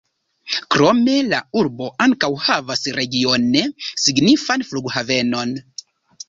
Krome la urbo ankaŭ havas regione signifan flughavenon.